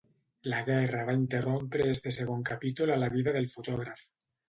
La guerra va interrompre este segon capítol a la vida del fotògraf.